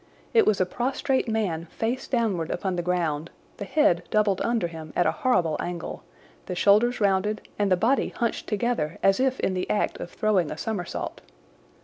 It was a prostrate man face downward upon the ground, the head doubled under him at a horrible angle, the shoulders rounded and the body hunched together as if in the act of throwing a somersault.